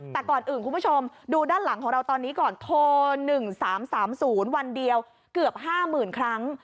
แต่ก่อนอื่นคุณผู้ชมดูด้านหลังของเราตอนนี้ก่อนโทร๑๓๓๐วันเดียวเกือบ๕๐๐๐ครั้ง